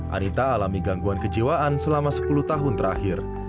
anita alami gangguan kejiwaan selama sepuluh tahun terakhir